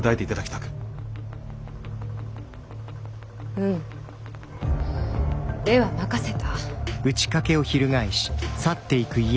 うむでは任せた。